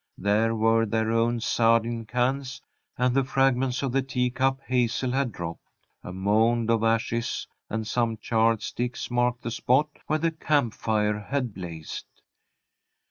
There were their own sardine cans, and the fragments of the teacup Hazel had dropped. A mound of ashes and some charred sticks marked the spot where the camp fire had blazed.